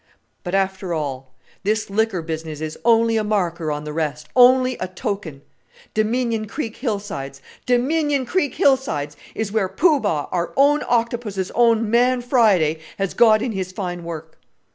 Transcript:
"But after all, this liquor business is only a marker on the rest, only a token. Dominion Creek hillsides Dominion Creek hillsides is where Poo Bah, our own Octopus's own 'Man Friday,' has got in his fine work!